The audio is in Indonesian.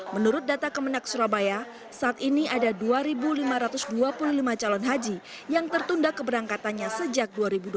menurut data kemenang surabaya saat ini ada dua lima ratus dua puluh lima calon haji yang tertunda keberangkatannya sejak dua ribu dua puluh